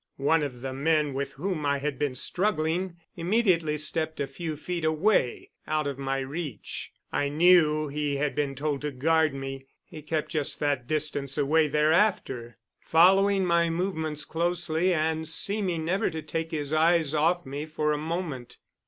One of the men with whom I had been struggling immediately stepped a few feet away, out of my reach. I knew he had been told to guard me. He kept just that distance away thereafter, following my movements closely and seeming never to take his eyes off me for a moment.